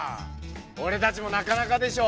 俺達もなかなかでしょ